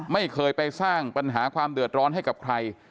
ไม่เคยไปสร้างปัญหาความเดือดร้อนให้กับใคร